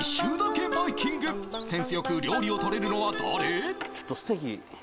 センス良く料理を取れるのは誰？